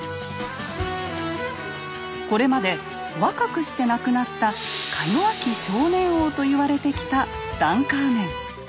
これまで若くして亡くなった「か弱き少年王」と言われてきたツタンカーメン。